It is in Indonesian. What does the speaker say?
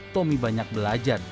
tomi banyak belajar